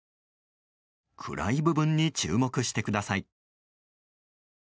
暗い部分に注目してください。